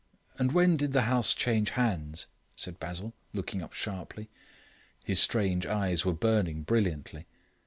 "And when did the house change hands?" said Basil, looking up sharply. His strange eyes were burning brilliantly.